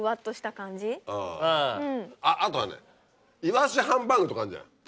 あとはねイワシハンバーグとかあんじゃない？